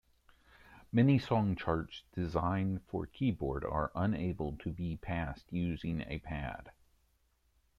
Many song charts designed for keyboard are unable to be passed using a pad.